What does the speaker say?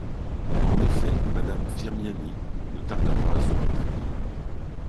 En effet, madame Firmiani ne tarda pas à se montrer.